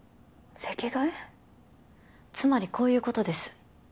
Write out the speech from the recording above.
つまりこういうことです。